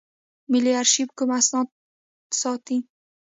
ملي آرشیف کوم اسناد ساتي؟